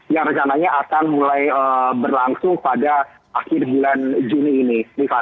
yang rencananya akan mulai berlangsung pada akhir bulan juni ini